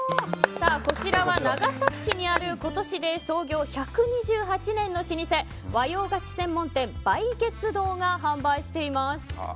こちらは長崎市にある今年で創業１２８年の老舗和洋菓子専門店梅月堂が販売しています。